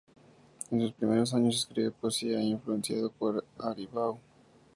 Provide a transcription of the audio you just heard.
En sus primeros años escribe poesía, influenciado por Aribau.